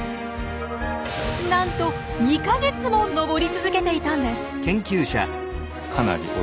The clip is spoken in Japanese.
なんと２か月も登り続けていたんです。